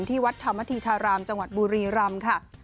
ที่วัดธรรมธีธารามจังหวัดบุรีรำค่ะ